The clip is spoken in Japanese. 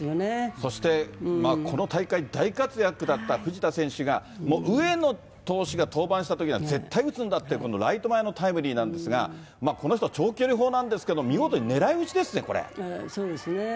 そしてこの大会大活躍だった藤田選手が上野投手が登板したときには、絶対打つんだって、ライト前のタイムリーなんですが、この人長距離砲なんですけど、見事に狙い打ちですね、そうですね。